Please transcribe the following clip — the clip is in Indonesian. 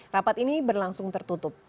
rapat ini berlangsung tertutup